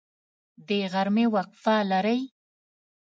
د غرمې وقفه لرئ؟